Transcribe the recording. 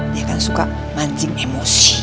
dia kan suka mancing emosi